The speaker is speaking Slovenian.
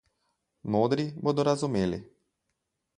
Modri bodo razumeli.